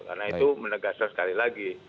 karena itu menegaskan sekali lagi